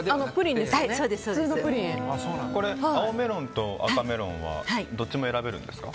青メロンと赤メロンはどっちも選べるんですか？